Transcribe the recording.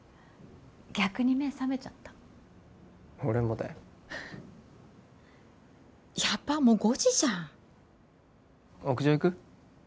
逆に目覚めちゃった俺もだよやばっもう５時じゃん屋上行く？